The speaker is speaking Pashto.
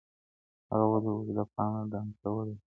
هغه ولي اوږده پاڼه ډنډ ته وړې ده؟